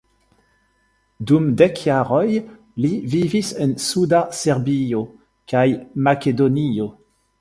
Dum dek jaroj li vivis en suda Serbio kaj Makedonio.